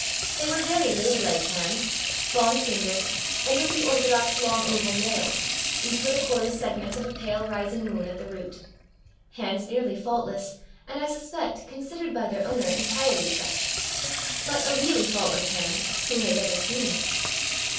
They were very lady like hands, long fingered, and with the orthodox long oval nails, each with a quarter segment of a pale rising moon at the root hands nearly faultless, and, I suspect, considered by their owner entirely such but a really faultless hand, who has ever seen?